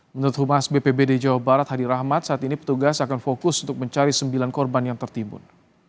menurut humas bpbd jawa barat hadi rahmat saat ini petugas akan fokus untuk mencari sembilan korban yang tertimbun